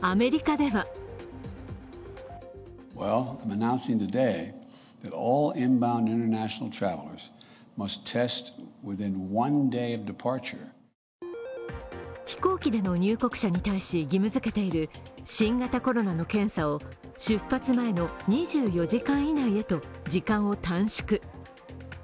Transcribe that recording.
アメリカでは飛行機での入国者に対し義務づけている新型コロナの検査を出発前の２４時間以内へと時間を短縮。